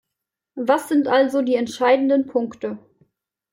Was sind also die entscheidenden Punkte?